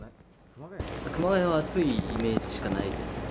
熊谷は暑いイメージしかないです。